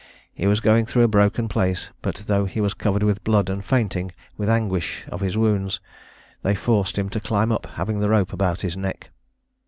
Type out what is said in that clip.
He was going through a broken place; but though he was covered with blood and fainting with the anguish of his wounds, they forced him to climb up, having the rope about his neck.